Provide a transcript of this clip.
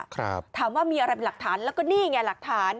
ถามว่ามีอะไรเป็นหลักฐานแล้วก็นี่ไงหลักฐาน